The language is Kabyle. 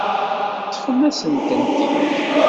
Ṭṭfen-asent-tent-id.